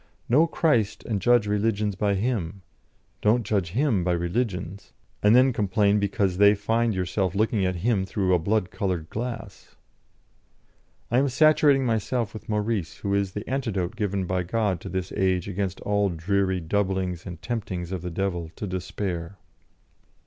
Know Christ and judge religions by Him; don't judge Him by religions, and then complain because they find yourself looking at Him through a blood coloured glass." "I am saturating myself with Maurice, who is the antidote given by God to this age against all dreary doublings and temptings of the devil to despair."